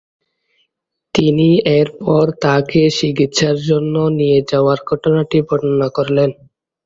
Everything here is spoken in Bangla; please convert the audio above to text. তিনি এরপর তাকে চিকিৎসার জন্য নিয়ে যাওয়ার ঘটনাটি বর্ণনা করলেন।